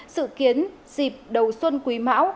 sự kiến dịp đầu xuân quý mão